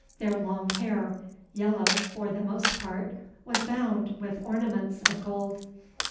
Their long hair, yellow for the most part, was bound with ornaments of gold.